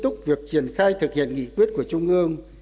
tiếp tục việc triển khai thực hiện nghị quyết của trung ương